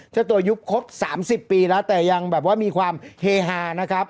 เจ้าตัวยุบครบ๓๐ปีแล้วแต่ยังแบบว่ามีความเฮฮานะครับ